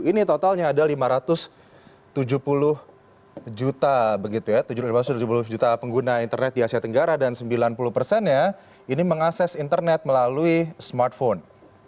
ini totalnya ada lima ratus tujuh puluh juta tujuh puluh juta pengguna internet di asia tenggara dan sembilan puluh persennya ini mengakses internet melalui smartphone